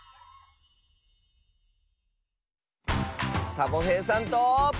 サボへいさんと。